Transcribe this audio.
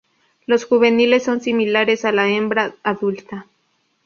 Los juveniles son similares a la hembra adulta.